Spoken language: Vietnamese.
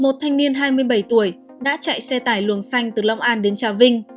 một thanh niên hai mươi bảy tuổi đã chạy xe tải luồng xanh từ long an đến trà vinh